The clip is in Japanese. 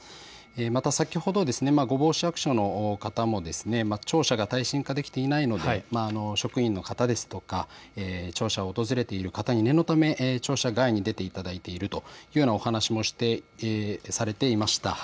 また先ほど御坊市役所の方も庁舎が耐震化できていないので職員の方ですとか、庁舎を訪れている方に念のため庁舎外に出ていただいているというようなお話もされていました。